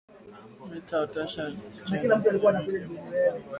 Mita otesha michi ya mingi mu mpango yangu